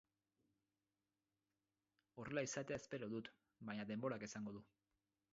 Horrela izatea espero dut, baina, denborak esango du.